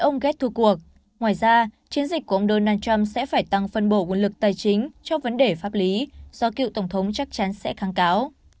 ngoài ra chiến dịch của ông donald trump sẽ phải tăng phân bổ quân lực tài chính cho vấn đề pháp lý do cựu tổng thống chắc chắn sẽ kháng cáo